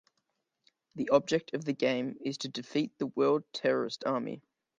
The object of the game is to defeat the World Terrorist Army.